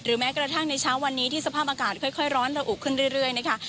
แม้กระทั่งในเช้าวันนี้ที่สภาพอากาศค่อยร้อนระอุขึ้นเรื่อยนะคะ